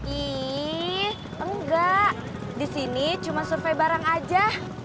ih enggak disini cuma survei barang aja